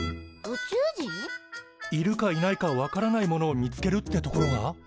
いるかいないか分からないものを見つけるってところが？